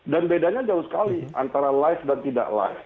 dan bedanya jauh sekali antara live dan tidak live